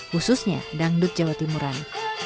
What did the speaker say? khususnya dangdut jawa timuran